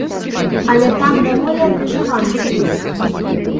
Але там даволі абмежаваны спіс.